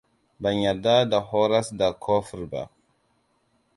Ban yarda da horas da kofur ba.